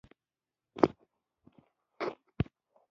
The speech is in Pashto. ځمکه د افغانستان د اجتماعي جوړښت یوه ډېره مهمه برخه ده.